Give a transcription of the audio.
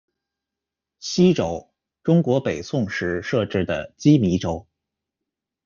溪州，中国北宋时设置的羁縻州。